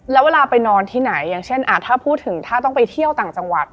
แล้วเวลาไปนอนที่ไหนอย่างเช่นถ้าพูดถึงถ้าต้องไปเที่ยวต่างจังหวัด